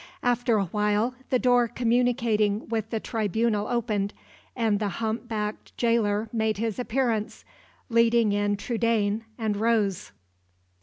After a while, the door communicating with the tribunal opened, and the humpbacked jailer made his appearance, leading in Trudaine and Rose.